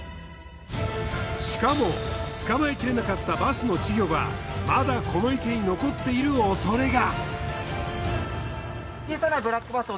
しかも捕まえきれなかったバスの稚魚がまだこの池に残っている恐れが。